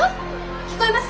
聞こえます？